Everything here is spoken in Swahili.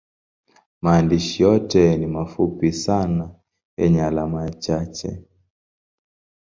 Maandishi yote ni mafupi sana yenye alama chache tu.